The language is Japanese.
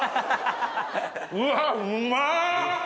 うわうまっ！